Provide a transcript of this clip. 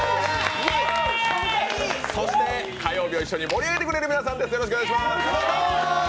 そして火曜日を一緒に盛り上げてくれる皆さんです。